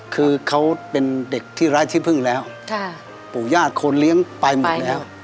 คือเขาเป็นเด็กที่ไร้ที่พึ่งแล้วปู่ญาติคนเลี้ยงไปหมดแล้ว